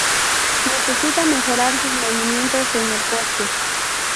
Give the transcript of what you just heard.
Necesita mejorar sus movimientos en el poste.